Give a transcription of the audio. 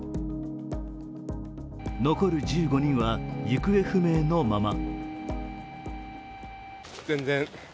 残る１５人は行方不明のまま。